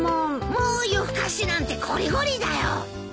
もう夜更かしなんてこりごりだよ！